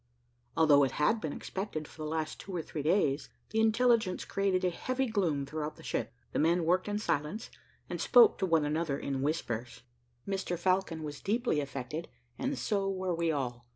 Although it had been expected for the last two or three days, the intelligence created a heavy gloom throughout the ship; the men worked in silence, and spoke to one another in whispers. Mr Falcon was deeply affected, and so were we all.